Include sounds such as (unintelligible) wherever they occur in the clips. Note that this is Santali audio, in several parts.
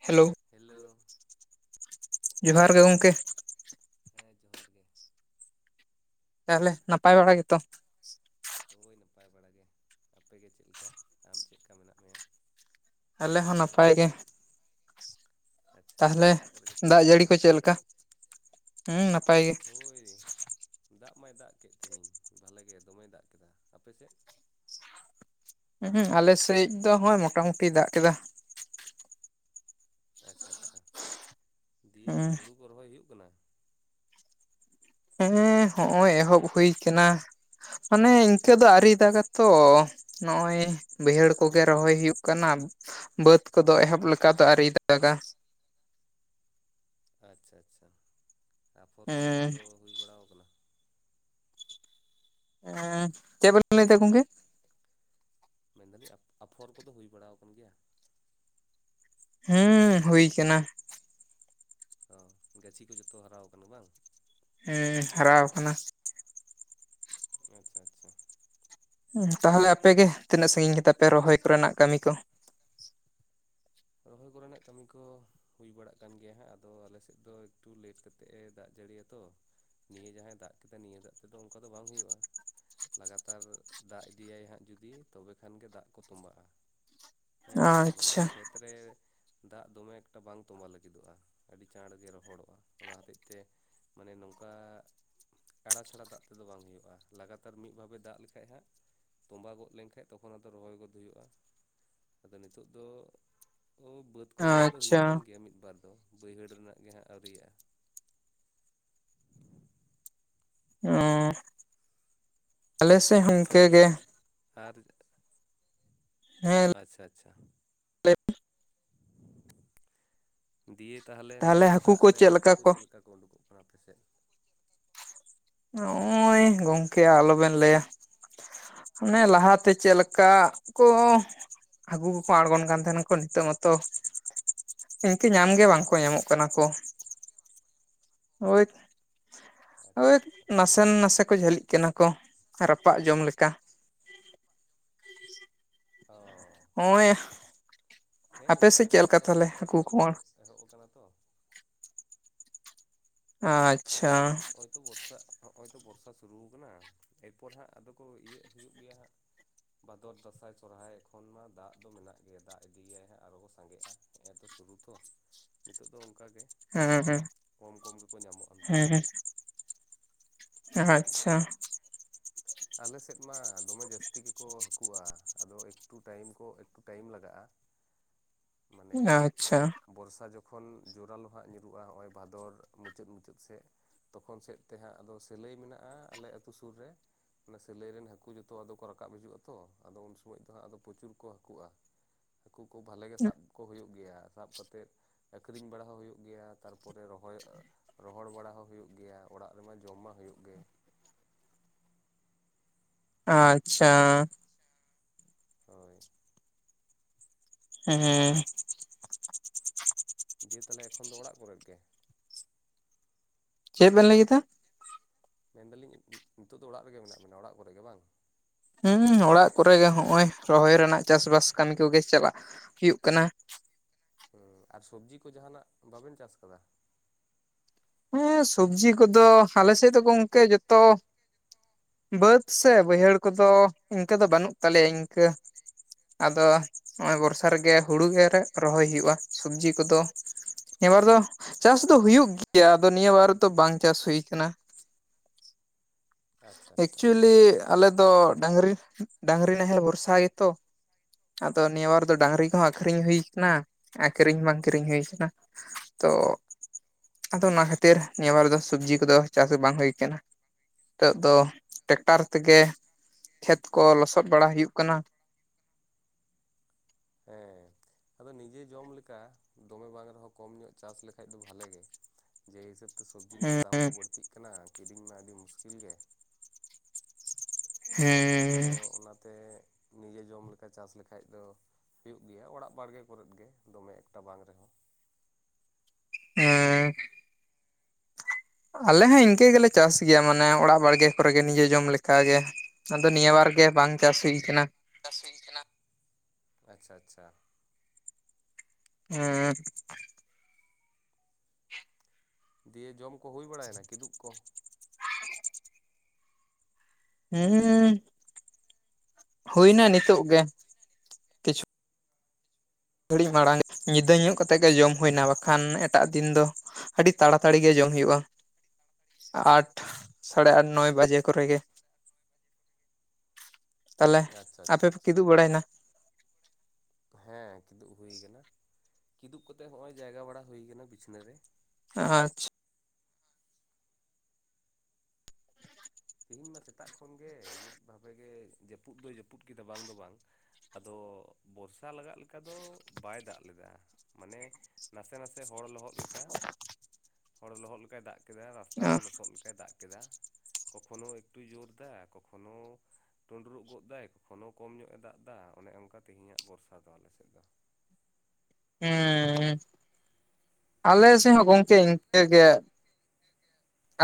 ᱦᱮᱞᱳ᱾ ᱦᱮᱞᱳ᱾ ᱡᱚᱦᱟᱨ ᱜᱮ ᱜᱚᱝᱠᱮ᱾ ᱦᱮᱸ ᱡᱚᱦᱟᱨ ᱜᱮ᱾ ᱛᱟᱦᱞᱮ ᱱᱟᱯᱟᱭ ᱵᱟᱲᱟ ᱜᱮᱛᱚ? ᱦᱳᱭ ᱱᱟᱯᱟᱭ ᱵᱟᱲᱟᱜᱮ, ᱟᱯᱮᱜᱮ ᱪᱮᱜ ᱞᱮᱠᱟ ᱟᱢ ᱪᱮᱜ ᱞᱮᱠᱟ ᱢᱮᱱᱟᱜ ᱢᱮᱭᱟ? ᱟᱞᱮ ᱦᱚᱸ ᱱᱟᱯᱟᱭ ᱜᱮ᱾ ᱟᱪᱪᱷᱟ ᱛᱟᱦᱚᱞᱮ ᱚᱲᱟᱜ ᱠᱚᱨᱮ ᱡᱚᱛᱚ ᱫᱟᱜ ᱱᱟᱯᱟᱭ ᱡᱟᱹᱲᱤ ᱜᱮ ᱠᱚ ᱪᱮᱫ ᱞᱮᱠᱟ? ᱦᱩᱸ ᱱᱟᱯᱟᱭ ᱜᱮ᱾ ᱦᱳᱭ ᱫᱟᱜ ᱢᱟᱭ ᱫᱟᱜ ᱠᱮᱫ ᱛᱮᱤᱦᱮᱤᱧ ᱵᱷᱟᱞᱮᱜ ᱜᱮ ᱫᱚᱢᱮ ᱫᱟᱜ ᱠᱮᱫᱟ, ᱟᱯᱮᱥᱮᱫ? ᱦᱩᱸ ᱟᱞᱮᱥᱮᱡ ᱫᱚ ᱦᱚᱭ ᱢᱚᱴᱟ ᱢᱩᱴᱤᱤᱭ ᱫᱟᱜ ᱠᱮᱫᱟ᱾ ᱟᱪᱪᱷᱟ ᱟᱪᱪᱷᱟ, ᱫᱤᱭᱮ ᱦᱩᱸ ᱦᱩᱲᱩ ᱠᱚ ᱨᱚᱦᱚᱭ ᱦᱩᱭᱩᱜ ᱠᱟᱱᱟ? ᱦᱮᱸ ᱦᱚᱜᱼᱚᱭ ᱮᱦᱚᱵ ᱦᱩᱭ ᱠᱟᱱᱟ, ᱢᱟᱱᱮ ᱤᱱᱠᱟᱹ ᱫᱚ ᱟᱹᱨᱤ ᱫᱟᱜ ᱟᱛᱚ ᱱᱚᱜᱼᱚᱭ ᱵᱟᱹᱭᱦᱟᱹᱲ ᱠᱚᱜᱮ ᱨᱚᱦᱚᱭ ᱦᱩᱭᱩᱜ ᱠᱟᱱᱟ᱾ ᱵᱟᱹᱫᱽ ᱠᱚᱫᱚ ᱮᱦᱚᱵ ᱞᱮᱠᱟ ᱫᱚ ᱟᱹᱨᱤ ᱫᱟᱜᱟ᱾ ᱟᱪᱪᱷᱟ ᱟᱪᱪᱷᱟ, ᱟᱯᱷᱚᱨ ᱠᱚᱫᱚ ᱦᱩᱸ ᱡᱚᱛᱚ ᱦᱩᱭ ᱵᱟᱲᱟᱣ ᱠᱟᱱᱟ? ᱮᱸ ᱪᱮᱫ ᱵᱤᱱ ᱞᱟᱹᱭ ᱫᱟ ᱜᱚᱢᱠᱮ? ᱢᱮᱱᱫᱟᱞᱤᱧ ᱟᱯᱷᱚᱨ ᱠᱚᱫᱚ ᱦᱩᱭ ᱵᱟᱲᱟ ᱠᱟᱱ ᱜᱮᱭᱟ? ᱦᱩᱸ ᱦᱩᱭ ᱠᱟᱱᱟ᱾ ᱚ ᱜᱟᱹᱪᱷᱤ ᱠᱚ ᱡᱚᱛᱚ ᱦᱟᱨᱟ ᱠᱟᱱᱟ ᱵᱟᱝ? ᱦᱩᱸ ᱦᱟᱨᱟ ᱠᱟᱱᱟ᱾ ᱟᱪᱪᱷᱟ ᱟᱪᱪᱷᱟ᱾ ᱩᱸ ᱛᱟᱦᱚᱞᱮ ᱟᱯᱮ ᱜᱮ ᱛᱤᱱᱟᱹᱜ ᱥᱟᱺᱜᱤᱧ ᱠᱮᱫᱟ ᱯᱮ ᱨᱚᱦᱚᱭ ᱠᱚᱨᱮᱱᱟᱜ ᱠᱟᱹᱢᱤ ᱠᱚ? ᱨᱚᱦᱚᱭ ᱠᱚᱨᱮᱱᱟᱜ ᱠᱟᱹᱢᱤ ᱠᱚ ᱦᱩᱭ ᱵᱟᱲᱟᱜ ᱠᱟᱱ ᱜᱮᱭᱟ ᱦᱟᱸᱜ ᱟᱫᱚ ᱟᱞᱮ ᱥᱮᱜ ᱫᱚ ᱮᱠᱴᱩ ᱞᱮᱴ ᱠᱟᱛᱮᱜ ᱮ ᱫᱟᱜ ᱡᱟᱹᱲᱤᱭᱟ ᱛᱚ᱾ ᱱᱤᱭᱟᱹ ᱡᱟᱦᱟᱸᱭ ᱫᱟᱜ ᱠᱮᱫᱟ ᱱᱤᱭᱟᱹ ᱫᱟᱜ ᱛᱮᱫᱚ ᱚᱱᱠᱟ ᱫᱚ ᱵᱟᱝ ᱦᱚᱭᱚᱜ-ᱟ᱾ ᱞᱟᱜᱟᱛᱟᱨ ᱫᱟᱜ ᱤᱫᱤᱭᱟᱭ ᱦᱟᱸᱜ ᱡᱩᱫᱤ ᱛᱚᱵᱮ ᱠᱷᱟᱱ ᱜᱮ ᱫᱟᱜ ᱠᱚ ᱛᱚᱸᱵᱟᱜ-ᱟ᱾ ᱦᱮᱸ ᱢᱟᱱᱮ ᱟᱪᱪᱷᱟ ᱠᱷᱮᱛ ᱨᱮ ᱫᱟᱜ ᱫᱚᱢᱮ ᱮᱠᱴᱟ ᱵᱟᱝ ᱛᱚᱸᱵᱟᱣ ᱞᱟᱹᱜᱤᱫᱚᱜᱼᱟ, ᱟᱹᱰᱤ ᱪᱟᱬ ᱜᱮ ᱨᱚᱦᱚᱲᱚᱜᱼᱟ ᱚᱱᱟ ᱦᱚᱛᱮᱡ ᱛᱮ ᱢᱟᱱᱮ ᱱᱚᱝᱠᱟ ᱠᱟᱲᱟ ᱪᱷᱟᱲᱟ ᱫᱟᱜ ᱛᱮᱫᱚ ᱵᱟᱝ ᱦᱩᱭᱩᱜᱼᱟ, ᱞᱟᱜᱟᱛᱟᱨ ᱢᱤᱫ ᱵᱷᱟᱵᱮ ᱫᱟᱜ ᱞᱮᱠᱷᱟᱡ‌ ᱦᱟᱸᱜ ᱛᱚᱸᱵᱟ ᱜᱚᱫ ᱞᱮᱱᱠᱷᱟᱡ ᱛᱚᱠᱷᱚᱱ ᱟᱫᱚ ᱨᱚᱦᱚᱭ ᱜᱚᱫᱽ ᱦᱩᱭᱩᱜᱼᱟ, ᱟᱫᱚ ᱱᱤᱛᱚᱜ ᱫᱚ ᱩᱸ ᱵᱟᱹᱫᱽ ᱠᱚᱨᱮᱱᱟᱜ ᱫᱚ ᱦᱩᱭᱩᱜ ᱠᱟᱱ ᱟᱪᱪᱷᱟ ᱜᱮᱭᱟ ᱢᱤᱫᱵᱟᱨ ᱫᱚ, ᱵᱟᱹᱭᱦᱟᱹᱲ ᱨᱮᱱᱟᱜ ᱜᱮ ᱦᱟᱸᱜ ᱟᱣᱨᱤᱭᱟᱜᱼᱟ᱾ ᱚᱸᱻ ᱫᱤᱭᱮ ᱤᱱᱠᱟᱹ ᱛᱟᱦᱚᱞᱮ ᱜᱮ ᱟᱨ ᱦᱮ ᱞᱮ ᱟᱪᱪᱷᱟ ᱟᱪᱪᱷᱟ᱾ ᱫᱤᱭᱮ ᱛᱟᱦᱚᱞᱮ ᱱᱚᱣᱟ ᱫᱟᱜ ᱨᱮ ᱦᱟᱹᱠᱩ ᱠᱚ ᱪᱮᱜ ᱞᱮᱠᱟ ᱠᱚ ᱩᱰᱩᱠᱚᱜ ᱠᱟᱱᱟ ᱟᱯᱮ ᱥᱮᱜ? ᱱᱚᱜᱼᱚᱭ ᱜᱚᱝᱠᱮ ᱟᱞᱚ ᱵᱮᱱ ᱞᱟᱹᱭᱟ᱾ ᱚᱱᱮ ᱞᱟᱦᱟ ᱛᱮ ᱪᱮᱜ ᱞᱮᱠᱟ ᱠᱚ ᱦᱟᱹᱠᱩ ᱠᱚᱠᱚ ᱟᱬᱜᱚᱱ ᱠᱟᱱ ᱛᱟᱦᱮᱸᱱᱟ ᱠᱚ ᱱᱤᱛᱚᱜ ᱢᱟᱛᱚ ᱤᱱᱠᱟᱹ ᱧᱟᱢ ᱜᱮ ᱵᱟᱝ ᱠᱚ ᱧᱟᱢᱚᱜ ᱠᱟᱱᱟ ᱠᱚ᱾ ᱳᱭ ᱟᱪᱪᱷᱟ ᱳᱭ ᱟᱪᱪᱷᱟ ᱱᱟᱥᱮᱱ ᱱᱟᱥᱮ ᱠᱚ ᱡᱷᱟᱹᱞᱤᱜ ᱠᱟᱱᱟ ᱠᱚ ᱨᱟᱯᱟᱜ ᱡᱚᱢ ᱞᱮᱠᱟ᱾ ᱚᱻ᱾ ᱱᱚᱜᱼᱚᱸᱭ ᱟᱯᱮ ᱥᱮᱡ ᱚᱱᱠᱟᱜᱮ ᱪᱮᱜ ᱞᱮᱠᱟ ᱟᱫᱚ ᱦᱟᱸᱜ ᱛᱟᱦᱟᱞᱮ ᱱᱚᱜᱼᱚᱭ ᱦᱟᱹᱠᱩ ᱛᱚ ᱠᱚᱶᱟᱲ? ᱱᱤᱛᱚᱜ ᱮᱦᱚᱵ ᱠᱟᱱᱟ ᱛᱚ ᱟᱪᱪᱷᱟ᱾ ᱦᱳᱭ ᱛᱚ ᱵᱚᱨᱥᱟᱜ ᱱᱚᱜ-ᱚᱭ ᱛᱚ ᱵᱚᱨᱥᱟ ᱥᱩᱨᱩᱣ ᱠᱟᱱᱟ ᱮᱭᱯᱚᱨ ᱦᱟᱸᱜ ᱟᱫᱚ ᱠᱚ ᱤᱭᱟᱹᱜ ᱦᱩᱭᱩᱜ ᱜᱮᱭᱟ ᱦᱟᱸᱜ᱾ ᱵᱷᱟᱫᱚᱨ ᱫᱟᱸᱥᱟᱭ ᱥᱚᱨᱦᱟᱭ ᱮᱠᱷᱚᱱ ᱢᱟ ᱫᱟᱜ ᱫᱚ ᱢᱮᱱᱟᱜ ᱜᱮᱭᱟ ᱫᱟᱜ ᱤᱫᱤᱭᱟᱭ ᱦᱟᱸᱜ ᱟᱨᱚ ᱠᱚ ᱥᱟᱸᱜᱮᱜ-ᱟ᱾ ᱱᱮᱜ ᱮ ᱛᱚ ᱥᱩᱨᱩ ᱛᱚ ᱱᱤᱛᱚᱜ ᱫᱚ ᱚᱝᱠᱟ ᱜᱮ ᱦᱮᱸ ᱠᱚᱢ ᱠᱚᱢ ᱜᱮᱠᱚ ᱧᱟᱢᱚᱜ-ᱟ ᱱᱤᱛᱚᱜ ᱫᱚ᱾ ᱟᱸᱪᱪᱷᱟ᱾ ᱟᱞᱮ ᱥᱮᱫ ᱢᱟ ᱫᱚᱢᱮ ᱡᱟᱹᱥᱛᱤ ᱜᱮᱠᱚ ᱦᱟᱹᱠᱩᱜ-ᱟ ᱟᱫᱚ ᱮᱠᱴᱩ ᱴᱟᱭᱤᱢ ᱠᱚ ᱮᱠᱴᱩ ᱴᱟᱭᱤᱢ ᱞᱟᱜᱟᱜ-ᱟ᱾ ᱢᱟᱱᱮᱫᱼᱼ ᱟᱪᱪᱷᱟ ᱵᱚᱨᱥᱟ ᱡᱚᱠᱷᱚᱱ ᱡᱳᱚᱨᱟᱞ ᱦᱟᱸᱜ ᱧᱩᱨᱩᱜ-ᱟ ᱦᱚᱸᱜ-ᱚᱭ ᱵᱷᱟᱫᱚᱨ ᱢᱩᱪᱟᱹᱫ ᱢᱩᱪᱟᱹᱫ ᱥᱮᱜ᱾ ᱛᱚᱠᱷᱚᱱ ᱥᱮᱜ ᱛᱮᱦᱟᱸᱜ ᱟᱫᱚ ᱥᱤᱞᱟᱹᱭ ᱢᱮᱱᱟᱜ-ᱟ ᱟᱞᱮ ᱟᱹᱛᱩ ᱥᱩᱨ ᱨᱮ᱾ ᱚᱱᱟ ᱥᱤᱞᱟᱹᱭ ᱨᱮᱱ ᱦᱟᱹᱠᱩ ᱡᱚᱛᱚ ᱟᱫᱚ ᱠᱚ ᱨᱟᱠᱟᱵ ᱦᱤᱡᱩᱜ-ᱟ ᱛᱚ ᱟᱫᱚ ᱩᱱ ᱥᱚᱢᱟᱹᱭ ᱫᱚ ᱦᱟᱸᱜ ᱟᱫᱚ ᱯᱚᱪᱩᱨ ᱠᱚ ᱦᱟᱹᱠᱩᱜ-ᱟ᱾ ᱦᱟᱹᱠᱩ ᱠᱚ ᱵᱷᱟᱞᱮ ᱜᱮ ᱥᱟᱵ ᱠᱚ ᱦᱩᱭᱩᱜ ᱜᱮᱭᱟ ᱥᱟᱵ ᱠᱟᱛᱮᱫᱼᱼ ᱟᱹᱠᱷᱨᱤᱧ ᱵᱟᱲᱟ ᱦᱚᱸ ᱦᱩᱭᱩᱜ ᱜᱮᱭᱟ ᱛᱟᱨᱯᱚᱨᱮ ᱨᱚᱦᱚᱭ ᱚᱼᱼ ᱨᱚᱦᱚᱲ ᱵᱟᱲᱟ ᱦᱚᱸ ᱦᱩᱭᱩᱜ ᱜᱮᱭᱟ ᱚᱲᱟᱜ ᱨᱮᱢᱟ ᱡᱚᱢ ᱢᱟ ᱦᱩᱭᱩᱜ ᱜᱮ᱾ ᱟᱸᱪᱪᱷᱟ᱾ ᱦᱳᱭ᱾ ᱦᱩᱸᱻ᱾ ᱫᱤᱭᱮ ᱛᱟᱦᱚᱞᱮ ᱮᱠᱷᱚᱱ ᱫᱚ ᱚᱲᱟᱜ ᱠᱚᱨᱮ ᱜᱮ᱾ ᱪᱮᱫ ᱵᱮᱱ ᱞᱟᱹᱭ ᱠᱮᱫᱟ? ᱢᱮᱱ ᱫᱟᱞᱤᱧ ᱤᱸ ᱱᱤᱛᱚᱜ ᱫᱚ ᱚᱲᱟᱜ ᱨᱮᱜᱮ ᱢᱮᱱᱟᱜ ᱵᱮᱱᱟ ᱚᱲᱟᱜ ᱠᱚᱨᱮ ᱜᱮ ᱵᱟᱝ? ᱦᱩᱸ ᱚᱲᱟᱜ ᱠᱚᱨᱮ ᱜᱮ ᱦᱚᱸᱜ-ᱚᱭ ᱨᱚᱦᱚᱭ ᱨᱮᱱᱟᱜ ᱪᱟᱥᱼᱵᱟᱥ ᱠᱟᱢᱤ ᱠᱚᱜᱮ ᱪᱟᱞᱟᱜ ᱦᱩᱭᱩᱜ ᱠᱟᱱᱟ᱾ ᱦᱩᱸ ᱟᱨ ᱥᱚᱵᱽᱡᱤ ᱠᱚ ᱡᱟᱦᱟᱸ ᱱᱟᱜ ᱵᱟᱵᱮᱱ ᱪᱟᱥ ᱠᱟᱫᱟ? ᱦᱮᱸ ᱥᱚᱵᱽᱡᱤ ᱠᱚᱫᱚ ᱟᱞᱮ ᱥᱮᱜ ᱫᱚ ᱜᱚᱝᱠᱮ ᱡᱚᱛᱚ ᱵᱟᱹᱛᱼᱼ ᱥᱮ ᱵᱟᱹᱭᱦᱟᱹᱲ ᱠᱚᱫᱚ ᱤᱱᱠᱟᱹ ᱫᱚ ᱵᱟᱹᱱᱩᱜ ᱛᱟᱞᱮᱭᱟ ᱤᱱᱠᱟᱹ᱾ ᱟᱫᱚ ᱱᱚᱜ-ᱚᱭ ᱵᱚᱨᱥᱟ ᱨᱮᱜᱮ ᱦᱩᱲᱩ ᱜᱮ ᱨᱮ ᱨᱚᱦᱚᱭ ᱦᱩᱭᱩᱜ-ᱟ ᱥᱚᱵᱽᱡᱤ ᱠᱚᱫᱚᱼᱼ ᱱᱤᱭᱟᱹ ᱵᱟᱨ ᱫᱚ ᱪᱟᱥ ᱫᱚ ᱦᱩᱭᱩᱜ ᱜᱮᱭᱟ ᱟᱫᱚ ᱱᱤᱭᱟᱹ ᱵᱟᱨ ᱫᱚ ᱵᱟᱝ ᱪᱟᱥ ᱦᱩᱭ ᱠᱟᱱᱟ᱾ ᱟᱪᱪᱷᱟ ᱟᱪᱪᱷᱟ ᱟᱪᱪᱷᱟ ᱮᱠᱪᱩᱭᱞᱤ ᱟᱞᱮ ᱫᱚ ᱰᱟᱝᱨᱤ ᱰᱟᱝᱨᱤ ᱱᱟᱦᱮᱞ ᱵᱚᱨᱥᱟ ᱜᱮᱛᱚ᱾ ᱟᱫᱚ ᱱᱤᱭᱟᱹ ᱵᱟᱨ ᱫᱚ ᱰᱟᱝᱨᱤ ᱠᱚᱦᱚᱸ ᱟᱠᱷᱨᱤᱧ ᱦᱩᱭ ᱠᱟᱱᱟ ᱟᱨ ᱠᱤᱨᱤᱧ ᱦᱚᱸ ᱵᱟᱝ ᱠᱤᱨᱤᱧ ᱦᱩᱭ ᱠᱟᱱᱟ ᱾ ᱛᱚ ᱟᱫᱚ ᱚᱱᱟ ᱠᱷᱟᱹᱛᱤᱨ ᱱᱤᱭᱟᱹ ᱵᱟᱨ ᱫᱚ ᱥᱚᱵᱡᱤ ᱠᱚᱫᱚ ᱪᱟᱥ ᱵᱟᱝ ᱦᱩᱭ ᱠᱟᱱᱟ ᱾ ᱟᱫᱚ ᱴᱮᱠᱴᱟᱨ ᱛᱮᱜᱮ ᱠᱷᱮᱛ ᱠᱚ ᱞᱚᱥᱚᱫ ᱵᱟᱲᱟ ᱦᱩᱭᱩᱜ ᱠᱟᱱᱟ ᱾ ᱦᱮᱸ ᱟᱫᱚ ᱱᱤᱡᱮ ᱡᱚᱢ ᱞᱮᱠᱟ ᱫᱚᱢᱮ ᱵᱟᱝ ᱨᱮᱦᱚᱸ ᱠᱚᱢ ᱧᱚᱜ ᱪᱟᱥ ᱞᱮᱠᱷᱟᱡ ᱫᱚ ᱵᱷᱟᱞᱮ ᱜᱮ ᱾ ᱡᱮ ᱦᱤᱥᱟᱹᱵ ᱛᱮ ᱥᱚᱵᱽᱡᱤ ᱨᱮᱱᱟᱜ ᱫᱟᱢ ᱠᱚ ᱵᱟᱹᱲᱛᱤᱜ ᱠᱟᱱᱟ ᱠᱤᱨᱤᱧ ᱢᱟ ᱟᱹᱰᱤ ᱢᱩᱥᱠᱤᱞ ᱜᱮ ᱾ ᱦᱮᱸ ᱛᱚ ᱚᱱᱟᱛᱮᱼᱼ ᱱᱤᱡᱮ ᱡᱚᱢ ᱞᱮᱠᱟ ᱪᱟᱥ ᱞᱮᱠᱷᱟᱡ ᱫᱚ ᱦᱩᱭᱩᱜ ᱜᱮᱭᱟ ᱚᱲᱟᱜ ᱵᱟᱲᱜᱮ ᱠᱚᱨᱮᱫ ᱜᱮ ᱫᱚᱢᱮ ᱮᱠᱴᱟ ᱵᱟᱝ ᱨᱮᱦᱚᱸ ᱾ ᱦᱮᱸ ᱟᱞᱮ ᱦᱚᱸ ᱤᱱᱠᱟᱹ ᱜᱮᱞᱮ ᱪᱟᱥ ᱜᱮᱭᱟ ᱢᱟᱱᱮ ᱚᱲᱟᱜ ᱵᱟᱲᱜᱮ ᱠᱚᱨᱮᱜᱮ ᱱᱤᱡᱮ ᱡᱚᱢ ᱞᱮᱠᱟᱜᱮ ᱾ ᱟᱫᱚ ᱱᱤᱭᱟᱹ ᱵᱟᱨ ᱜᱮ ᱵᱟᱝ ᱪᱟᱥ ᱦᱩᱭ ᱠᱟᱱᱟ ᱾ ᱪᱟᱥ ᱦᱩᱭ ᱠᱟᱱᱟ, ᱟᱪᱪᱷᱟ ᱟᱪᱪᱷᱟ ᱾ ᱦᱩᱸ ᱫᱤᱭᱮ ᱡᱚᱢ ᱠᱚ ᱦᱩᱭ ᱵᱟᱲᱟᱭᱮᱱᱟ ᱠᱤᱫᱩᱵ ᱠᱚ? ᱦᱩᱸᱻᱩᱸ ᱦᱩᱭᱱᱟ ᱱᱤᱛᱳᱜ ᱜᱮ ᱾ ᱜᱷᱟᱹᱲᱤᱡ ᱢᱟᱲᱟᱝ ᱧᱤᱫᱟᱹ ᱧᱚᱜ ᱠᱟᱛᱮᱫ ᱜᱮ ᱡᱚᱢ ᱦᱩᱭᱱᱟ ᱵᱟᱠᱷᱟᱱ ᱮᱴᱟᱜ ᱫᱤᱱ ᱫᱚᱼᱼ ᱟᱹᱰᱤ ᱛᱟᱲᱟᱛᱟᱲᱤ ᱜᱮ ᱡᱚᱢ ᱦᱩᱭᱩᱜ-ᱟ ᱾ ᱟᱴ ᱥᱟᱲᱮ ᱟᱴ ᱱᱚᱭ ᱵᱟᱡᱮ ᱠᱚᱨᱮᱜ ᱜᱮ ᱾ ᱛᱟᱦᱚᱞᱮ ᱟᱪᱪᱷᱟ ᱟᱯᱮ ᱟᱪᱪᱷᱟ ᱯᱮ ᱟᱪᱪᱷᱟ ᱠᱤᱫᱩᱵ ᱵᱟᱲᱟᱭᱮᱱᱟ ᱦᱮᱸ ᱠᱤᱫᱩᱵ ᱦᱩᱭ ᱠᱟᱱᱟ ᱠᱤᱫᱩᱵ ᱠᱟᱛᱮ ᱦᱚᱜ-ᱚᱭ ᱡᱟᱭᱜᱟ ᱵᱟᱲᱟ ᱦᱩᱭ ᱟᱠᱟᱱᱟ ᱵᱤᱪᱷᱱᱟᱹ ᱨᱮ ᱾ ᱟᱸᱪᱷ ᱛᱮᱦᱤᱧ ᱢᱟ ᱥᱮᱛᱟᱜ ᱠᱷᱚᱱᱜᱮ ᱢᱤᱫ ᱵᱷᱟᱵᱮ ᱜᱮ ᱡᱟᱹᱯᱩᱫ ᱫᱚᱭ ᱡᱟᱹᱯᱩᱫ ᱠᱮᱫᱟ ᱵᱟᱝ ᱫᱚ ᱵᱟᱝ ᱾ ᱟᱫᱚ ᱵᱚᱨᱥᱟ ᱞᱟᱜᱟᱜ ᱞᱮᱠᱟ ᱫᱚ ᱵᱟᱭ ᱫᱟᱜ ᱞᱮᱫᱟ ᱢᱟᱱᱮᱼᱼ ᱱᱟᱥᱮ ᱱᱟᱥᱮ ᱦᱚᱲ ᱞᱚᱦᱚᱫ ᱞᱮᱠᱟ ᱦᱚᱲ ᱞᱚᱦᱚᱫ ᱞᱮᱠᱟᱭ ᱫᱟᱜ ᱠᱮᱫᱟ ᱨᱟᱥᱛᱟ ᱠᱚ ᱞᱚᱥᱚᱫ ᱠᱟᱭ ᱫᱟᱜ ᱠᱮᱫᱟ ᱾ ᱠᱚᱠᱷᱳᱱᱳ ᱮᱠᱴᱩ ᱡᱳᱨ ᱫᱟᱭ ᱠᱚᱠᱷᱳᱱᱳᱼᱼ ᱴᱩᱰᱨᱩᱜ ᱜᱚᱫ ᱫᱟᱭ ᱮᱠᱷᱚᱱᱳ ᱠᱚᱢ ᱧᱚᱜ ᱮ ᱫᱟᱜ ᱮᱫᱟ ᱚᱱᱮ ᱚᱱᱠᱟ ᱛᱮᱦᱮᱧᱟᱜ ᱵᱚᱨᱥᱟ ᱫᱚ ᱟᱞᱮ ᱥᱮᱫ ᱫᱚ ᱾ ᱦᱩᱸᱻ ᱾ ᱟᱞᱮ ᱥᱮᱫ ᱦᱚᱸ ᱜᱚᱢᱠᱮ ᱤᱱᱠᱟᱹ ᱜᱮ ᱾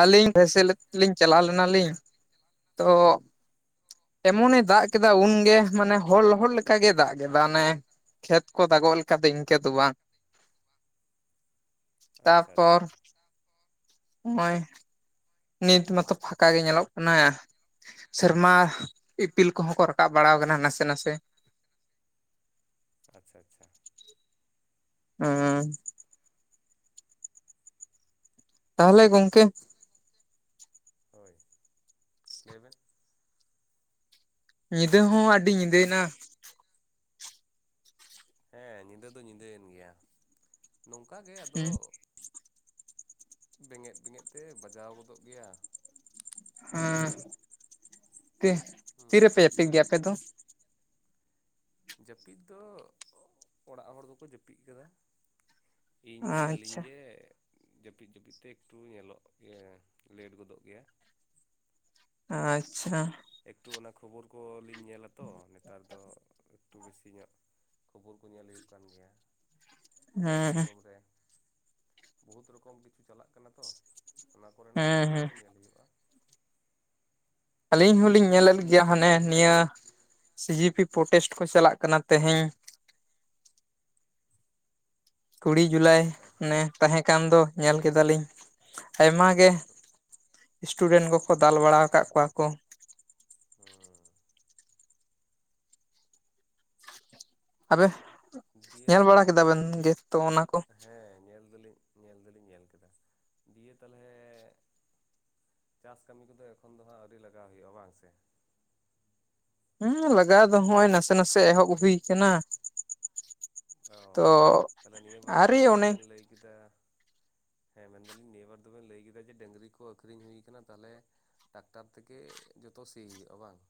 ᱟᱹᱞᱤᱧ (unintelligible) ᱞᱤᱧ ᱪᱟᱞᱟᱣ ᱞᱮᱱᱟ ᱞᱤᱧ ᱛᱚ ᱮᱢᱚᱱᱮ ᱫᱟᱜ ᱠᱮᱫᱟ ᱩᱱᱜᱮ ᱢᱟᱱᱮ ᱦᱚᱲ ᱞᱚᱦᱚᱫ ᱞᱮᱠᱟ ᱜᱮ ᱫᱟᱜ ᱠᱮᱫᱟ ᱚᱱᱮ ᱠᱷᱮᱛ ᱠᱚ ᱫᱟᱜᱚᱜ ᱞᱮᱠᱟ ᱫᱚ ᱤᱱᱠᱟᱹ ᱫᱚ ᱵᱟᱝ ᱾ (unintelligible) ᱟᱪᱪᱷᱟ ᱛᱟᱨᱯᱚᱨ, ᱟᱪᱪᱷᱟ ᱱᱚᱜ-ᱚᱭ ᱱᱤᱛ ᱢᱟᱛᱚ ᱯᱷᱟᱸᱠᱟ ᱜᱮ ᱧᱮᱞᱚᱜ ᱠᱟᱱᱟ ᱾ ᱥᱮᱨᱢᱟ ᱤᱯᱤᱞ ᱠᱚᱦᱚᱸ ᱠᱚ ᱨᱟᱠᱟᱵ ᱵᱟᱲᱟ ᱟᱠᱟᱱᱟ ᱱᱟᱥᱮ ᱱᱟᱥᱮ ᱾ ᱟᱪᱪᱷᱟ ᱟᱪᱪᱷᱟ ᱾ ᱩᱸ ᱾ ᱛᱟᱦᱚᱞᱮ ᱜᱚᱝᱠᱮ ᱦᱳᱭ ᱞᱟᱹᱭ ᱵᱮᱱ ᱾ ᱧᱤᱫᱟᱹ ᱦᱚᱸ ᱟᱹᱰᱤ ᱧᱤᱫᱟᱹᱭᱮᱱᱟ ᱾ ᱦᱮᱸ ᱧᱤᱫᱟᱹ ᱫᱚ ᱧᱤᱫᱟᱹᱭᱮᱱ ᱜᱮᱭᱟ ᱱᱚᱝᱠᱟ ᱜᱮ ᱟᱫᱚ ᱦᱩᱸ ᱵᱮᱸᱜᱮᱫ ᱵᱮᱸᱜᱮᱫ ᱛᱮ ᱵᱟᱡᱟᱣ ᱜᱚᱫᱚᱜ ᱜᱮᱭᱟ ᱾ ᱦᱮᱸ ᱛᱤ ᱦᱮᱸ ᱥᱮ ᱛᱤᱨᱮᱯᱮ ᱡᱟᱹᱯᱤᱫ ᱜᱮᱭᱟ ᱟᱯᱮ ᱫᱚ? ᱡᱟᱹᱯᱤᱫ ᱫᱚ ᱚᱲᱟᱜ ᱦᱚᱲ ᱫᱚᱠᱚ ᱡᱟᱹᱯᱤᱫ ᱠᱟᱫᱟ ᱾ ᱤᱧ ᱜᱮ ᱟᱹᱞᱤᱧ ᱟᱪᱪᱷᱟ ᱜᱮ ᱡᱟᱹᱯᱤᱫ ᱡᱟᱹᱯᱤᱫ ᱛᱮ ᱮᱠᱴᱩ ᱧᱮᱞᱚᱜ ᱜᱮ ᱞᱮᱴ ᱜᱚᱫᱚᱜ ᱜᱮᱭᱟ ᱾ ᱟᱪᱪᱷᱟ ᱾ ᱮᱠᱴᱩ ᱚᱱᱟ ᱠᱷᱚᱵᱚᱨ ᱠᱚᱞᱤᱧ ᱧᱮᱞᱟᱛᱚ ᱱᱮᱛᱟᱨ ᱫᱚ ᱮᱠᱴᱩ ᱵᱮᱥᱤ ᱧᱚᱜ ᱠᱷᱚᱵᱚᱨ ᱠᱚ ᱧᱮᱞ ᱦᱳᱭᱳᱜ ᱠᱟᱱ ᱜᱮᱭᱟ ᱾ ᱟᱵᱚᱣᱟᱜ ᱦᱮᱸ ᱦᱮᱸ ᱫᱤᱥᱚᱢ ᱨᱮ ᱵᱩᱦᱩᱛ ᱨᱚᱠᱚᱢ ᱠᱤᱪᱷᱩ ᱪᱟᱞᱟᱜ ᱠᱟᱱᱟ ᱛᱚ ᱾ ᱚᱱᱟ ᱠᱚ ᱨᱮᱱᱟᱜ ᱠᱷᱚᱵᱚᱨ ᱦᱮᱸ ᱠᱚ ᱜᱮ ᱧᱮᱞ ᱦᱳᱭᱳᱜᱼᱟ ᱾ ᱟᱹᱞᱤᱧ ᱦᱚᱞᱤᱧ ᱧᱮᱞᱮᱫ ᱜᱮᱭᱟ ᱦᱟᱱᱮ ᱱᱤᱭᱟᱹ ᱥᱤ ᱡᱤ ᱯᱤ ᱯᱨᱚᱴᱮᱥᱴ ᱠᱚ ᱪᱟᱞᱟᱜ ᱠᱟᱱᱟ ᱛᱮᱦᱮᱧ ᱠᱩᱲᱤ ᱡᱩᱞᱟᱭ ᱟᱪᱪᱷᱟ ᱚᱱᱮ ᱟᱪᱪᱷᱟ ᱛᱟᱦᱮᱸ ᱠᱟᱱ ᱫᱚ ᱧᱮᱞ ᱠᱮᱫᱟ ᱞᱤᱧ ᱾ ᱟᱭᱢᱟ ᱜᱮ ᱮᱥᱴᱩᱰᱮᱱᱴ ᱠᱚ ᱠᱚ ᱫᱟᱞ ᱵᱟᱲᱟ ᱟᱠᱟᱫ ᱠᱚᱣᱟ ᱠᱚ ᱾ ᱦᱩᱸ ᱾ ᱟᱵᱮ ᱦᱮᱸ ᱫᱤᱭᱮ ᱧᱮᱞ ᱵᱟᱲᱟ ᱠᱮᱫᱟ ᱵᱮᱱ ᱡᱮ ᱦᱮ ᱛᱩ ᱚᱱᱟ ᱠᱚ ᱦᱮᱸ ᱧᱮᱞ ᱫᱚ ᱞᱤᱧ ᱧᱮᱞ ᱫᱚ ᱞᱤᱧ ᱧᱮᱞ ᱠᱮᱫᱟ ᱫᱤᱭᱮ ᱛᱟᱞᱦᱮ ᱪᱟᱥ ᱠᱟᱹᱢᱤ ᱠᱚᱫᱚ ᱮᱠᱷᱚᱱ ᱫᱚ ᱦᱟᱸᱜ ᱟᱹᱣᱨᱤ ᱞᱟᱜᱟᱣ ᱦᱩᱭᱩᱜᱼᱟ ᱵᱟᱝ ᱥᱮ? ᱦᱩᱸ ᱞᱟᱜᱟᱣ ᱫᱚ ᱦᱚᱜ-ᱚᱭ ᱱᱟᱥᱮ ᱱᱟᱥᱮ ᱮᱦᱚᱵ ᱦᱩᱭ ᱟᱠᱟᱱᱟ ᱾ ᱚ ᱛᱟᱦᱞᱮ ᱱᱤᱭᱟᱹ ᱵᱟᱨ ᱫᱚ ᱚᱱᱮ ᱵᱮᱱ ᱞᱟᱹᱭ ᱠᱮᱫᱟ ᱦᱮᱸ ᱢᱮᱱ ᱫᱟᱞᱤᱧ ᱱᱤᱭᱟᱹ ᱵᱟᱨ ᱫᱚ ᱵᱤᱱ ᱞᱟᱹᱭ ᱠᱮᱫᱟ ᱡᱮ ᱰᱟᱹᱝᱨᱤ ᱠᱚ ᱟᱠᱷᱨᱤᱧ ᱦᱩᱭ ᱠᱟᱱᱟ ᱛᱟᱦᱚᱞᱮ ᱴᱟᱠᱴᱟᱨ ᱛᱮ ᱜᱮ ᱡᱷᱚᱛᱚ ᱥᱤ ᱦᱩᱭᱩᱜᱼᱟ ᱵᱟᱝ ᱾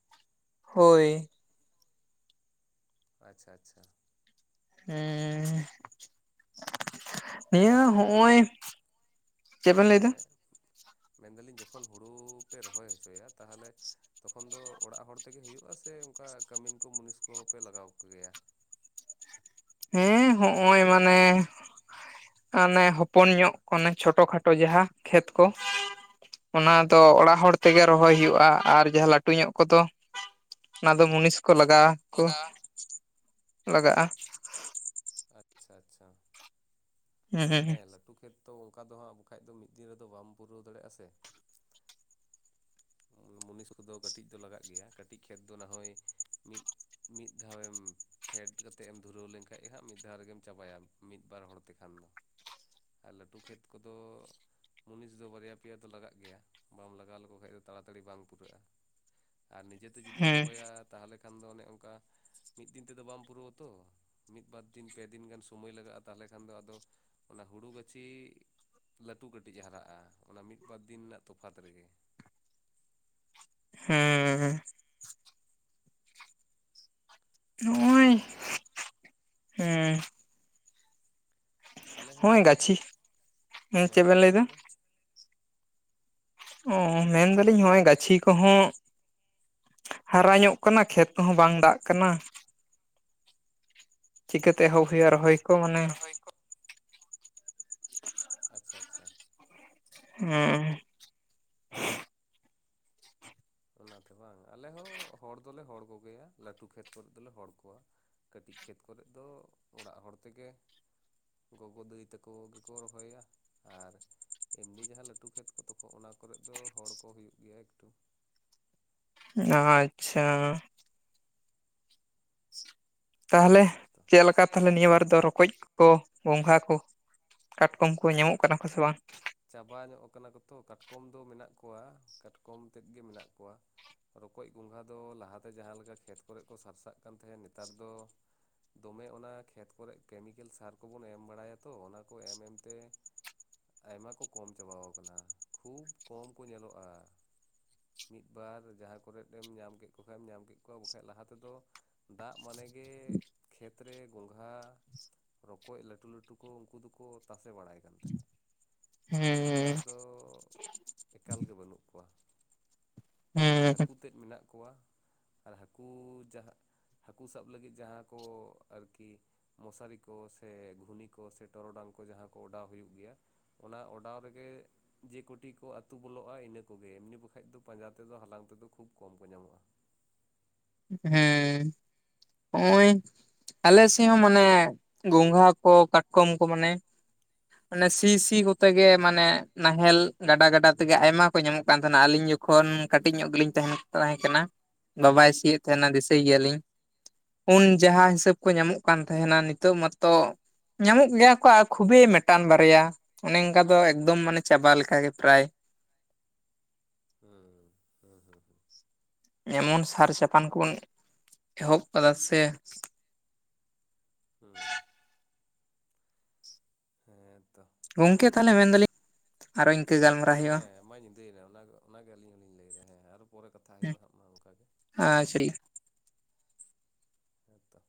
ᱦᱳᱭ ᱾ ᱟᱪᱪᱷᱟ ᱟᱪᱪᱷᱟ ᱾ ᱦᱩᱸ ᱾ ᱦᱮᱸᱭᱟ ᱛᱟᱦᱚᱞᱮ ᱡᱚᱠᱷᱚᱱ ᱦᱚᱸᱜᱼᱚᱭ ᱪᱮᱫ ᱵᱮᱱ ᱞᱟᱹᱭᱫᱟ? ᱢᱮᱱ ᱫᱟᱞᱤᱧ ᱡᱚᱠᱷᱚᱱ ᱦᱩᱲᱩ ᱯᱮ ᱨᱚᱦᱚᱭ ᱦᱚᱪᱚᱭᱟ, ᱛᱟᱦᱚᱞᱮ ᱛᱚᱠᱷᱚᱱ ᱫᱚ ᱚᱲᱟᱜ ᱦᱚᱲ ᱛᱮ ᱜᱮ ᱦᱩᱭᱩᱜᱼᱟ? ᱥᱮ ᱚᱱᱠᱟ ᱠᱟᱹᱢᱤᱱ ᱠᱚ ᱢᱩᱱᱤᱥ ᱠᱚ ᱦᱚᱸ ᱯᱮ ᱞᱟᱜᱟᱣ ᱠᱚᱜᱮᱭᱟ? ᱦᱮᱸ ᱦᱚᱸᱜᱼᱚᱭ ᱢᱟᱱᱮ ᱟᱱᱮ ᱦᱚᱯᱚᱱ ᱧᱚᱜ ᱚᱱᱮ ᱪᱷᱳᱴᱚ ᱠᱷᱟᱴᱳ ᱡᱟᱦᱟᱸ ᱠᱷᱮᱛ ᱠᱚ ᱚᱱᱟ ᱦᱮᱸ ᱫᱚ ᱚᱲᱟᱜ ᱦᱚᱲ ᱛᱮᱜᱮ ᱨᱚᱦᱚᱭ ᱦᱩᱭᱩᱜᱼᱟ, ᱟᱨ ᱡᱟᱦᱟᱸ ᱞᱟᱹᱴᱩ ᱧᱚᱜ ᱠᱚ ᱫᱚ ᱚᱱᱟ ᱫᱚ ᱢᱩᱱᱤᱥ ᱠᱚ ᱞᱟᱜᱟᱜᱼᱟ᱾ ᱠᱚ ᱞᱟᱜᱟᱜᱼᱟ ᱟᱪᱪᱷᱟ ᱟᱪᱪᱷᱟ᱾ ᱦᱩᱸ ᱦᱮᱸ ᱞᱟᱹᱴᱩ ᱠᱷᱮᱛ ᱛᱚ ᱚᱝᱠᱟ ᱫᱚ ᱦᱟᱸᱜ ᱵᱟᱠᱷᱟᱡ ᱫᱚ ᱢᱤᱫ ᱫᱤᱱ ᱨᱮ ᱫᱚ ᱵᱟᱢ ᱯᱩᱨᱟᱹᱣ ᱫᱟᱲᱮᱭᱟᱜᱼᱟ ᱥᱮ? ᱢᱩᱱᱤᱥ ᱠᱚᱫᱚ ᱠᱟᱹᱴᱤᱡ ᱫᱚ ᱞᱟᱜᱟᱜ ᱜᱮᱭᱟ, ᱠᱟᱹᱴᱤᱡ ᱠᱷᱮᱛ ᱫᱚ ᱱᱟᱦᱚᱭ ᱢᱤᱫ ᱢᱤᱫ ᱫᱷᱟᱣᱮᱢ ᱯᱷᱮᱰ ᱠᱟᱛᱮᱫ ᱮᱢ ᱫᱷᱩᱨᱟᱹᱣ ᱞᱮᱱᱠᱷᱟᱡ ᱦᱟᱸᱜ ᱢᱤᱫ ᱫᱷᱟᱣ ᱨᱮᱜᱮᱢ ᱪᱟᱵᱟ ᱭᱟ ᱢᱤᱫ ᱵᱟᱨ ᱦᱚᱲ ᱛᱮ ᱠᱷᱟᱱ ᱫᱚ᱾ ᱟᱨ ᱞᱟᱹᱴᱷᱩ ᱠᱷᱮᱛ ᱠᱚᱫᱚ ᱢᱩᱱᱤᱥ ᱫᱚ ᱵᱟᱨᱭᱟ ᱯᱮᱭᱟ ᱫᱚ ᱞᱟᱜᱟᱜ ᱜᱮᱭᱟ, ᱵᱟᱢ ᱞᱟᱜᱟᱣ ᱞᱮᱠᱚ ᱠᱷᱟᱡ ᱫᱚ ᱛᱟᱲᱟ ᱛᱟᱲᱤ ᱵᱟᱝ ᱯᱩᱨᱟᱹᱜᱼᱟ, ᱟᱨ ᱱᱤᱡᱮ ᱛᱮ ᱡᱩᱫᱤᱢ ᱦᱩᱸ ᱨᱚᱦᱚ ᱭᱟ ᱛᱟᱦᱞᱮ ᱠᱷᱟᱱ ᱫᱚ ᱚᱱᱮ ᱚᱝᱠᱟ ᱢᱤᱫ ᱫᱤᱱ ᱛᱮᱫᱚ ᱵᱟᱢ ᱯᱩᱨᱟᱹᱣ ᱟᱛᱚ, ᱢᱤᱫ ᱵᱟᱨ ᱫᱤᱱ ᱯᱮ ᱫᱤᱱ ᱜᱟᱱ ᱥᱩᱢᱳᱭ ᱞᱟᱜᱟᱜᱼᱟ, ᱛᱟᱦᱞᱮ ᱠᱷᱟᱱ ᱫᱚ ᱟᱫᱚ ᱚᱱᱟ ᱦᱩᱲᱩ ᱜᱟᱹᱪᱷᱤ ᱞᱟᱹᱴᱩ ᱠᱟᱹᱴᱤᱡ ᱦᱟᱨᱟᱜᱼᱟ, ᱚᱱᱟ ᱢᱤᱫ ᱵᱟᱨ ᱫᱤᱱ ᱨᱮᱱᱟᱜ ᱛᱚᱯᱷᱟᱛ ᱨᱮᱜᱮ᱾ ᱦᱩᱸ᱾ (unintelligible) ᱚᱱᱟ ᱜᱮ᱾ ᱦᱩᱸ᱾ ᱟᱞᱮ ᱦᱚᱸᱜᱼᱚᱭ ᱦᱚᱸ ᱜᱟᱹᱪᱷᱤ ᱪᱮᱫ ᱦᱮᱸ ᱵᱮᱱ ᱞᱟᱹᱭ ᱵᱤᱱ ᱞᱟᱹᱭᱫᱟ ᱢᱟ᱾ ᱚ ᱢᱮᱱ ᱫᱟᱞᱤᱧ ᱦᱚᱸᱜᱼᱚᱭ ᱜᱟᱹᱪᱷᱤ ᱠᱚᱦᱚᱸ ᱦᱟᱨᱟ ᱧᱚᱜ ᱠᱟᱱᱟ ᱠᱷᱮᱛ ᱠᱚᱦᱚᱸ ᱵᱟᱝ ᱫᱟᱜ ᱠᱟᱱᱟ ᱪᱤᱠᱟᱹ ᱛᱮ ᱮᱦᱚᱵ ᱦᱳᱭᱳᱜᱼᱟ ᱟᱪᱪᱷᱟ ᱨᱚᱦᱚᱭ ᱠᱚ ᱢᱟᱱᱮ᱾ ᱟᱪᱪᱷᱟ ᱟᱪᱪᱷᱟ᱾ ᱚᱻ ᱩᱸ᱾ ᱚᱱᱟ ᱛᱮ ᱵᱟᱝ? ᱟᱞᱮ ᱦᱚᱹ ᱦᱚᱲ ᱫᱚᱞᱮ ᱦᱚᱲ ᱠᱚ ᱜᱮᱭᱟ ᱞᱟᱹᱴᱩ ᱠᱷᱮᱛ ᱠᱚᱨᱮᱜ ᱫᱚᱞᱮ ᱦᱚᱲ ᱠᱚᱣᱟ, ᱠᱟᱹᱴᱤᱡ ᱠᱷᱮᱛ ᱠᱚᱨᱮᱜ ᱫᱚ ᱚᱲᱟᱜ ᱦᱚᱲ ᱛᱮᱜᱮ ᱜᱚᱜᱚ ᱫᱟᱹᱭ ᱛᱟᱠᱚ ᱜᱮᱠᱚ ᱨᱚᱦᱚᱭᱟ ᱟᱨ ᱮᱢᱱᱤ ᱡᱟᱦᱟᱸ ᱞᱟᱹᱴᱩ ᱠᱷᱮᱛ ᱠᱚ ᱛᱚᱠᱷᱚᱡ ᱚᱱᱟ ᱠᱚᱨᱮᱜ ᱫᱚ ᱦᱚᱲ ᱠᱚ ᱦᱩᱭᱩᱜ ᱜᱮᱭᱟ ᱮᱠᱴᱩ᱾ ᱟᱪᱪᱷᱟ᱾ ᱛᱟᱦᱚᱞᱮ ᱦᱮᱸᱛᱚ ᱪᱮᱫ ᱞᱮᱠᱟᱛ ᱛᱟᱦᱚᱞᱮ ᱱᱤᱭᱟᱹ ᱵᱟᱨ ᱫᱚ ᱨᱚᱠᱚᱡ ᱠᱚ ᱜᱚᱸᱜᱷᱟ ᱠᱚ ᱠᱟᱴᱠᱚᱢ ᱠᱚ ᱧᱟᱢᱚᱜ ᱠᱟᱱᱟ ᱠᱚ ᱥᱮ ᱵᱟᱝ? ᱪᱟᱵᱟ ᱧᱚᱜ ᱠᱟᱱᱟ ᱠᱚᱛᱚ ᱠᱟᱴᱠᱚᱢ ᱫᱚ ᱢᱮᱱᱟᱜ ᱠᱚᱣᱟ ᱠᱟᱴᱠᱚᱢ ᱛᱮᱫ ᱜᱮ ᱢᱮᱱᱟᱜ ᱠᱚᱣᱟ ᱾ ᱨᱚᱠᱚᱡ ᱜᱚᱸᱜᱷᱟ ᱫᱚ ᱞᱟᱦᱟᱛᱮ ᱡᱟᱦᱟᱸ ᱞᱮᱠᱟ ᱠᱷᱮᱛ ᱠᱚᱨᱮᱜ ᱠᱚ ᱥᱟᱨᱥᱟᱜ ᱠᱟᱱ ᱛᱟᱦᱮᱸᱫ ᱱᱮᱛᱟᱨ ᱫᱚ ᱫᱚᱢᱮ ᱚᱱᱟ ᱠᱷᱮᱛ ᱠᱚᱨᱮ ᱠᱮᱢᱤᱠᱮᱞ ᱥᱟᱨ ᱠᱚᱵᱚᱱ ᱮᱢ ᱵᱟᱲᱟᱭᱟ ᱛᱚ ᱚᱱᱟ ᱠᱚ ᱮᱢ ᱮᱢ ᱛᱮ ᱟᱭᱢᱟ ᱠᱚ ᱠᱚᱢ ᱪᱟᱵᱟᱣ ᱠᱟᱱᱟ, ᱠᱷᱩᱵᱽ ᱠᱚᱢ ᱠᱚ ᱧᱮᱞᱚᱜᱼᱟ ᱾ ᱢᱤᱫᱵᱟᱨ ᱡᱟᱦᱟᱸ ᱠᱚᱨᱮᱫ ᱮᱢ ᱧᱟᱢ ᱠᱮᱫ ᱠᱚ ᱠᱷᱟᱡ ᱮᱢ ᱧᱟᱢ ᱠᱮᱫ ᱠᱚᱣᱟ ᱵᱟᱠᱷᱟᱡ ᱞᱟᱦᱟ ᱛᱮᱫᱚ ᱫᱟᱜ ᱢᱟᱱᱮ ᱜᱮ ᱠᱷᱮᱛ ᱨᱮ ᱜᱚᱸᱜᱷᱟ ᱾ ᱨᱚᱠᱚᱡ ᱞᱟᱹᱴᱩ ᱞᱟᱹᱴᱩ ᱠᱚ ᱩᱱᱠᱩ ᱫᱚᱠᱚ ᱛᱟᱥᱮ ᱵᱟᱲᱟᱭ ᱟᱱ ᱛᱟᱦᱮᱸᱫ ᱾ ᱦᱩᱸ᱾ ᱱᱮᱛᱟᱨ ᱫᱚ ᱮᱠᱟᱞᱜ ᱜᱮ ᱵᱟᱹᱱᱩᱜ ᱠᱚᱣᱟ ᱾ ᱦᱩᱸ ᱦᱟᱹᱠᱩ ᱛᱮᱫ ᱢᱮᱱᱟᱜ ᱠᱚᱣᱟ ᱟᱨ ᱦᱟᱹᱠᱩ ᱡᱟᱦᱟᱸ ᱦᱟᱹᱠᱩ ᱥᱟᱵ ᱞᱟᱹᱜᱤᱫ ᱡᱟᱦᱟᱸ ᱠᱚ ᱟᱨᱠᱤ ᱢᱚᱥᱟᱨᱤ ᱠᱚ ᱥᱮ ᱜᱷᱩᱱᱤ ᱠᱚ ᱥᱮ ᱴᱚᱨᱚᱰᱟᱝ ᱠᱚ ᱡᱟᱦᱟᱸ ᱠᱚ ᱚᱰᱟᱣ ᱦᱩᱭᱩᱜ ᱜᱮᱭᱟ ᱾ ᱚᱱᱟ ᱚᱰᱟᱣ ᱨᱮᱜᱮ ᱡᱮ ᱠᱳᱴᱤ ᱠᱚ ᱟᱹᱛᱩ ᱵᱚᱞᱚᱜᱼᱟ ᱤᱱᱟᱹ ᱠᱚᱜᱮ ᱮᱢᱱᱤ ᱵᱟᱠᱷᱟᱡ ᱫᱚ ᱯᱟᱸᱡᱟ ᱛᱮᱫᱚ ᱦᱟᱞᱟᱝ ᱛᱮᱫᱚ ᱠᱷᱩᱵ ᱠᱚᱢ ᱠᱚ ᱧᱟᱢᱚᱜᱼᱟ ᱾ ᱦᱮᱸ ᱦᱚᱸᱜᱼᱚᱭ ᱟᱞᱮ ᱥᱮᱜ ᱦᱚᱸ ᱢᱟᱱᱮ ᱜᱚᱝᱜᱷᱟ ᱠᱚ ᱠᱟᱴᱠᱚᱢ ᱠᱚ ᱢᱟᱱᱮ ᱚᱱᱮ ᱥᱤ ᱥᱤ ᱠᱚᱛᱮ ᱜᱮ ᱢᱟᱱᱮ ᱱᱟᱦᱮᱞ ᱜᱟᱰᱟ ᱜᱟᱰᱟ ᱛᱮᱜᱮ ᱟᱭᱢᱟ ᱠᱚ ᱧᱟᱢᱚᱜ ᱠᱟᱱ ᱛᱟᱦᱮᱱᱟ ᱟᱞᱤᱧ ᱡᱚ ᱠᱷᱚᱱ ᱠᱟᱹᱴᱤᱡ ᱧᱚᱜ ᱜᱮᱞᱤᱧ ᱛᱟᱦᱮᱱ ᱛᱟᱦᱮᱸ ᱠᱟᱱᱟ ᱵᱟᱵᱟᱭ ᱥᱤᱭᱮᱜ ᱛᱟᱦᱮᱱᱟ ᱫᱤᱥᱟᱹᱭ ᱜᱮᱭᱟᱞᱤᱧ ᱾ ᱩᱱ ᱡᱟᱦᱟᱸ ᱦᱤᱥᱟᱹᱵ ᱠᱚ ᱧᱟᱢᱚᱜ ᱠᱟᱱ ᱛᱟᱦᱮᱱᱟ ᱱᱤᱛᱚᱜ ᱢᱟᱛᱚ ᱧᱟᱢᱚᱜ ᱜᱮᱭᱟ ᱠᱚ ᱠᱷᱩᱵᱮᱭ ᱢᱮᱴᱟᱱ ᱵᱟᱨᱭᱟ᱾ ᱚᱱᱮ ᱚᱝᱠᱟ ᱫᱚ ᱮᱠᱫᱚᱢ ᱢᱟᱱᱮ ᱪᱟᱵᱟ ᱞᱮᱠᱟᱜ ᱜᱮ ᱯᱨᱟᱭ᱾ ᱦᱩᱸ ᱦᱩᱸ ᱦᱩᱸ ᱦᱩᱸ ᱾ ᱮᱢᱚᱱ ᱥᱟᱨ ᱪᱟᱯᱟᱱ ᱠᱚᱵᱚᱱ ᱮᱦᱚᱵ ᱠᱟᱫᱟ ᱥᱮ ᱦᱩᱸ ᱦᱮᱸᱛᱚ᱾ ᱜᱚᱝᱠᱮ ᱛᱟᱦᱞᱮ ᱢᱮᱱ ᱫᱟᱞᱤᱧ ᱟᱨᱚ ᱤᱝᱠᱟᱹ ᱜᱟᱞᱢᱟᱨᱟᱣ ᱦᱮᱸ ᱢᱟ ᱧᱤᱫᱟᱹᱭᱱᱟ ᱚᱱᱟᱜᱮ ᱚᱱᱟᱜᱮ ᱟᱹᱞᱤᱧ ᱦᱚᱞᱤᱧ ᱞᱟᱹᱭᱫᱟ ᱦᱮᱸ ᱟᱨᱚ ᱯᱚᱨᱮ ᱠᱟᱛᱷᱟ ᱦᱩᱭᱩᱜᱼᱟ ᱦᱟᱸᱜ ᱢᱟ ᱚᱝᱠᱟᱜᱮ᱾ ᱟᱸᱪᱲᱤ ᱦᱮᱸᱛᱚ᱾